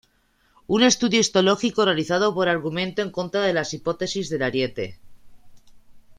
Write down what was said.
Un estudio histológico realizado por argumentó en contra de la hipótesis del ariete.